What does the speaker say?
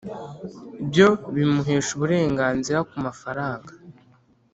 byo bimuhesha uburenganzira ku mafaranga